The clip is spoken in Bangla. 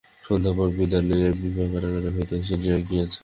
সন্ধ্যার পর বিদায় লইয়া বিভা কারাগার হইতে চলিয়া গিয়াছে।